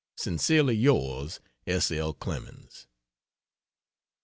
Sincerely yours, S. L. CLEMENS.